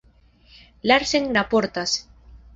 Larsen raportas.